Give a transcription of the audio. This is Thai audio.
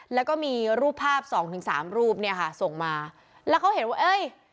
แล้วก็มีรูปภาพสองถึงสามรูปเนี่ยค่ะส่งมาแล้วเขาเห็นว่าเอ้ย